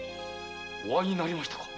お会いになりましたか